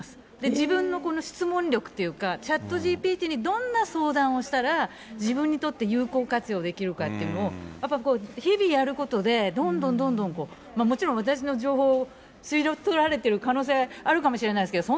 自分のこの質問力というか、チャットＧＰＴにどんな相談をしたら、自分にとって有効活用できるかっていうのを、やっぱりこう、日々やることで、どんどんどんどん、もちろん私の情報を吸い取られてる可能性あるかもしれないですけど、